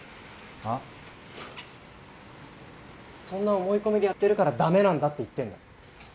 そんな思い込みでやってるから駄目なんだって言ってんだ。